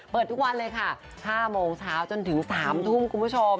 ทุกวันเลยค่ะ๕โมงเช้าจนถึง๓ทุ่มคุณผู้ชม